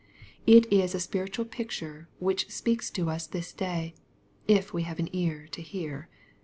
It is a spiritual picture which speaks to us this day, if we have an ear to hear.